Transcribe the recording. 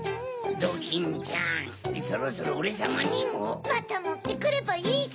ドキンちゃんそろそろオレさまにも。またもってくればいいじゃない。